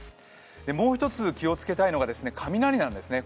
もう一つ気をつけたいのが雷なんですね。